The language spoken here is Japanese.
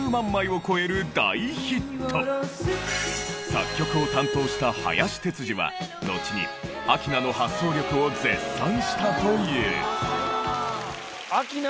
作曲を担当した林哲司はのちに明菜の発想力を絶賛したという。